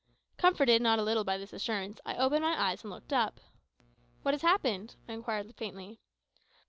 Comforted not a little by this assurance, I opened my eyes and looked up. "What has happened?" I inquired faintly.